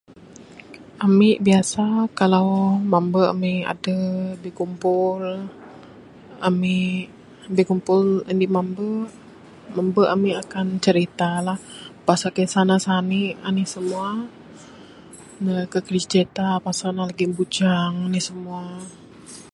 Ami biasa kalau, mambe ami adeh bikumpul, ami bikumpul ami mambe. Mambe ami akan cirita lah pasal kisah sani ne anih simua. Ne akan terus cirita pasal ne lagi bujang anih simua.